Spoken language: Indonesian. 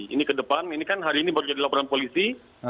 ini ke depan ini kan hari ini baru jadi laporan polisi